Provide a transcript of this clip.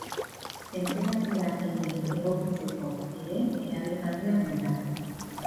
Tenperatura ere egokitzeko ere erabilgarriak dira.